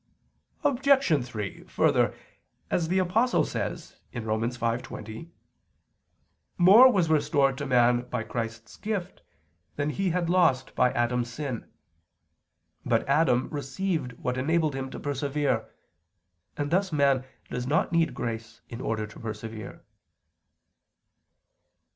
Obj. 3: Further, as the Apostle says (Rom. 5:20) more was restored to man by Christ's gift, than he had lost by Adam's sin. But Adam received what enabled him to persevere; and thus man does not need grace in order to persevere.